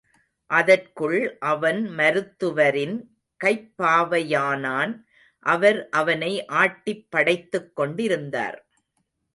அதற்குள் அவன் மருத்துவரின் கைப் பாவையானான் அவர் அவனை ஆட்டிப் படைத்துக் கொண்டிருந்தார்.